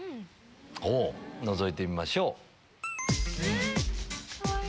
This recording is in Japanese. のぞいてみましょう。